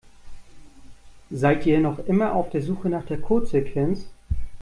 Seid ihr noch immer auf der Suche nach der Codesequenz?